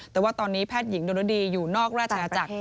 แต่ว่าตอนนี้แพทย์หญิงดนรดีอยู่นอกราชนาจักร